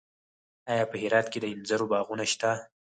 آیا په هرات کې د انځرو باغونه شته؟